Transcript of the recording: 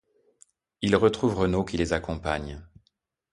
Ils retrouvent Renaud qui les accompagne.